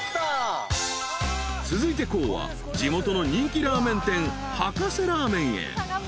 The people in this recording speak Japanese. ［続いてＫＯＯは地元の人気ラーメン店博士ラーメンへ］